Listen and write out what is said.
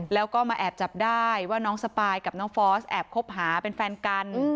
แล้วก็มาแอบจับได้ว่าน้องสปายกับน้องฟอสแอบคบหาเป็นแฟนกัน